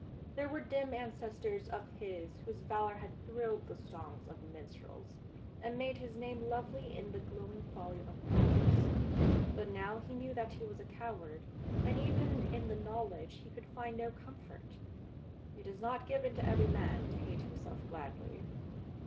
There were dim ancestors of his whose valour had thrilled the songs of minstrels 240 BLUE BLOOD and made his name lovely in the glowing folly of battles. But now he knew that he was a coward, and even in the knowledge he could find no comfort. It is not given to every man to hate himself gladly.